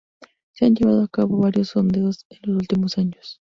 Se han llevado a cabo varios sondeos en los últimos años.